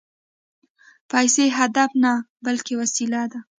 پیسې هدف نه، بلکې وسیله ده